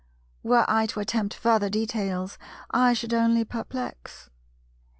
Were I to attempt further details I should only perplex.